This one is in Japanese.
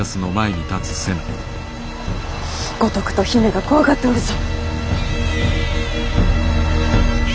五徳と姫が怖がっておるぞ。